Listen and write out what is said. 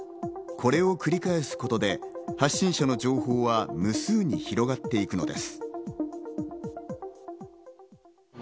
これを繰り返すことで発信者の情報は無数に広がっていくのです。